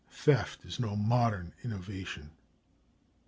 Theft is no modern innovation.